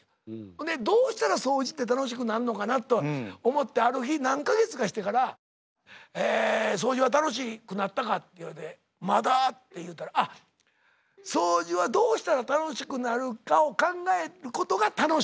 ほんでどうしたら掃除って楽しくなんのかなと思ってある日何か月かしてから「掃除は楽しくなったか？」って言われて「まだ」って言うたら「掃除はどうしたら楽しくなるかを考えることが楽しいねん」。